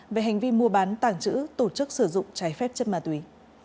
về hành vi mua bán tàng trữ tổ chức sử dụng trái phép chất ma túy